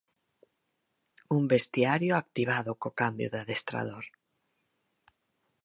Un vestiario activado co cambio de adestrador.